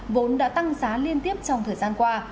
vốn đã tăng giá liên tiếp trong thời gian qua